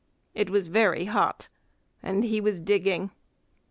It was very hot, and he was digging.